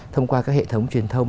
thông qua các hệ thống truyền thông